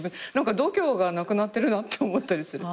度胸がなくなってるなって思ったりする。